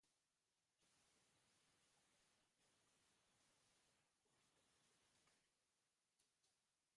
Itsasoan ere abisu horia egongo da egun osoan zehar, olatu handiengatik.